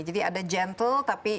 jadi ada gentle tapi naik